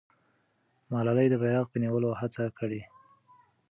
ملالۍ د بیرغ په نیولو هڅه کړې.